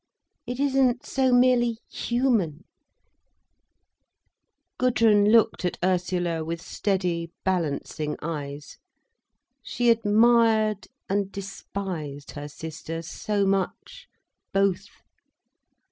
It isn't so merely human." Gudrun looked at Ursula with steady, balancing eyes. She admired and despised her sister so much, both!